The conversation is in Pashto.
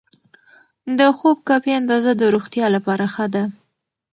د خوب کافي اندازه د روغتیا لپاره ښه ده.